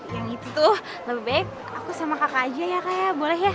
yang itu tuh lebih baik aku sama kakak aja ya kak ya boleh ya